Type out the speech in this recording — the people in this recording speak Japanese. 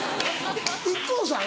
ＩＫＫＯさん？